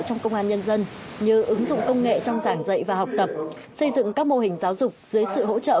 trong công an nhân dân như ứng dụng công nghệ trong giảng dạy và học tập xây dựng các mô hình giáo dục dưới sự hỗ trợ